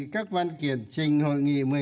các văn kiện trình hội nghị một mươi ba